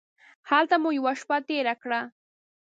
هلته مو یوه شپه تېره کړه.